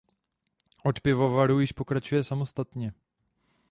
Od pivovaru již pokračuje samostatně.